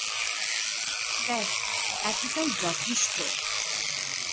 ব্যাস, এতটাই যথেষ্ট!